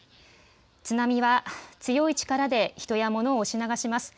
津波は強い力で人や物を押し流します。